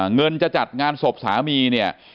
เงินจะจัดงานศพสามีเนี่ย